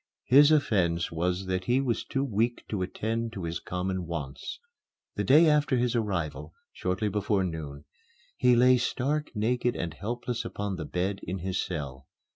His offence was that he was too weak to attend to his common wants. The day after his arrival, shortly before noon, he lay stark naked and helpless upon the bed in his cell.